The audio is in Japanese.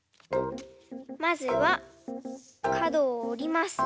まずはかどをおります。